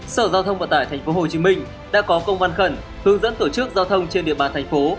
sở giao thông vận tải thành phố hồ chí minh đã có công văn khẩn hướng dẫn tổ chức giao thông trên địa bàn thành phố